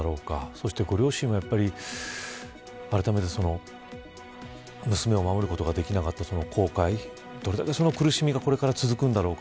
そして、ご両親はやっぱりあらためて、娘を守ることができなかったその後悔どれだけその苦しみがこれから続くんだろうか。